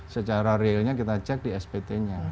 secara realnya kita cek di spt nya